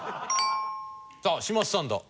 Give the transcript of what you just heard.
さあ嶋佐さんだ。